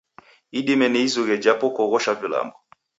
Idime ni izughe jhapo kuoghosha vilambo.